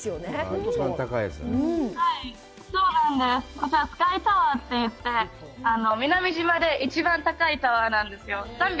こちらスカイタワーといって、南島で一番高いタワーなんですよ。